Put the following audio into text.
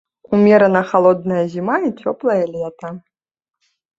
Умерана халодная зіма і цёплае лета.